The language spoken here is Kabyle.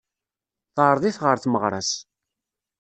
Teɛreḍ-it ɣer tmeɣra-s.